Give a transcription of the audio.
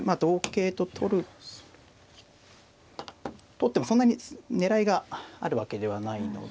取ってもそんなに狙いがあるわけではないので。